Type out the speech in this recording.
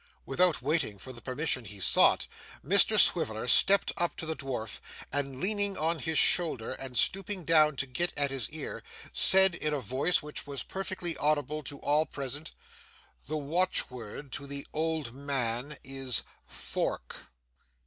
Without waiting for the permission he sought, Mr Swiveller stepped up to the dwarf, and leaning on his shoulder and stooping down to get at his ear, said in a voice which was perfectly audible to all present, 'The watch word to the old min is fork.